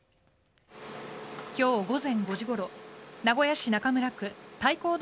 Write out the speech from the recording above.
今日午前５時ごろ名古屋市中村区太閤通